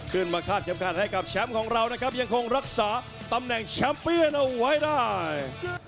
คาดเข็มขัดให้กับแชมป์ของเรานะครับยังคงรักษาตำแหน่งแชมป์เปียนเอาไว้ได้